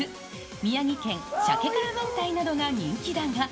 宮城県、しゃけ辛めんたいなどが人気だが。